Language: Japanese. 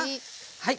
はい。